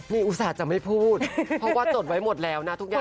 นี่อุตส่าห์จะไม่พูดเพราะว่าจดไว้หมดแล้วนะทุกอย่าง